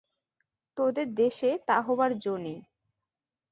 তোদের দেশে তা হবার যো নাই।